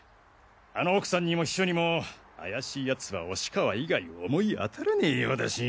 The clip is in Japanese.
あの奥さんにも秘書にも怪しい奴は押川以外思い当たらねぇようだし。